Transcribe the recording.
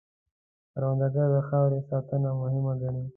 کروندګر د خاورې ساتنه مهم ګڼي